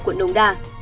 quận đông đa